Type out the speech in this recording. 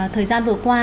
thời gian vừa qua